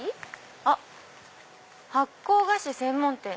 あっ「発酵菓子専門店」。